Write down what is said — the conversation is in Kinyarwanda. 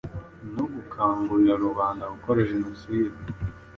no gukangurira rubanda gukora Jenoside